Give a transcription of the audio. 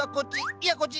いやこっち。